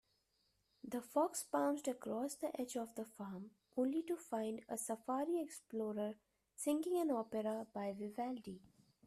The fox pounced across the edge of the farm, only to find a safari explorer singing an opera by Vivaldi.